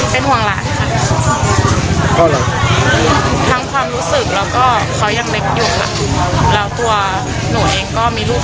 พี่ดูแลพ่อแม่และลูก